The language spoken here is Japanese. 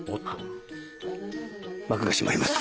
幕が閉まります。